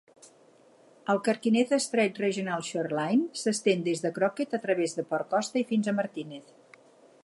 El Carquinez Strait Regional Shoreline s'estén des de Crockett a través de Port Costa i fins a Martinez.